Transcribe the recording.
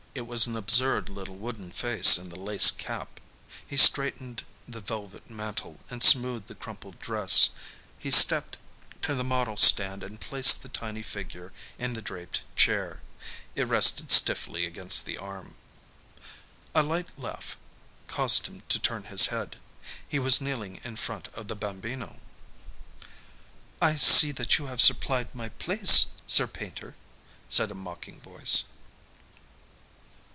It was an absurd little wooden face in the lace cap. He straightened the velvet mantle and smoothed the crumpled dress. He stepped to the model stand and placed the tiny figure in the draped chair. It rested stiffly against the arm. A light laugh caused him to turn his head. He was kneeling in front of the Bambino. "I see that you have supplied my place, Sir Painter," said a mocking voice.